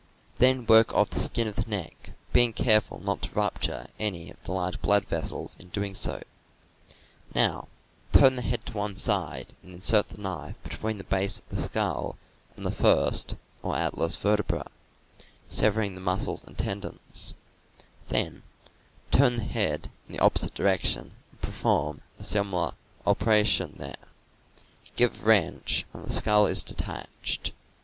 Then work off the skin of the neck, being careful not to rupture any of the large blood vessels in doing so. Now, turn the head to one side and insert the knife between the base of the skull and the first or atlas vertebra, severing the muscles and tendons; then turn the head in the opposite direction and perform a sim ilar operation there; give a wrench, and the skull is detached.